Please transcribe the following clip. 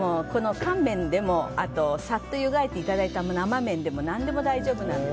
乾麺でもさっと湯がいた生麺でも何でも大丈夫なんです。